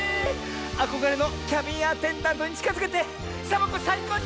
あこがれのキャビンアテンダントにちかづけてサボ子さいこうちょう！